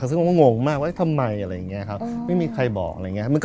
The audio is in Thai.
ซึ่งผมก็งงมากว่าทำไมอะไรอย่างนี้ครับไม่มีใครบอกอะไรอย่างนี้